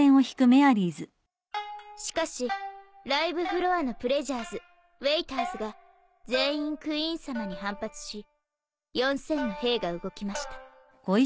しかしライブフロアのプレジャーズウェイターズが全員クイーンさまに反発し４，０００の兵が動きました。